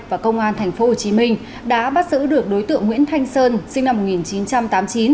và công an thành phố hồ chí minh đã bắt giữ được đối tượng nguyễn thanh sơn sinh năm một nghìn chín trăm tám mươi chín